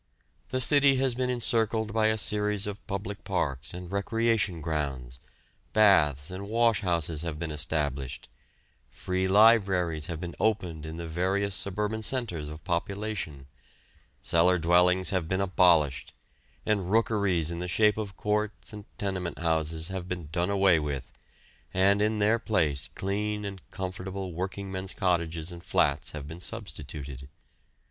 The city has been encircled by a series of public parks and recreation grounds, baths and washhouses have been established, free libraries have been opened in the various suburban centres of population, cellar dwellings have been abolished, and rookeries in the shape of courts and tenement houses have been done away with, and in their place clean and comfortable working men's cottages and flats have been substituted.